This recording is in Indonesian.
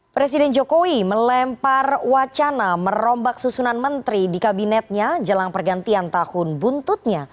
presiden jokowi melempar wacana merombak susunan menteri di kabinetnya jelang pergantian tahun buntutnya